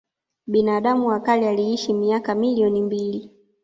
Binadamu wa kale aliishi miaka milioni mbili